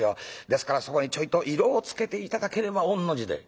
ですからそこにちょいと色をつけて頂ければ御の字で」。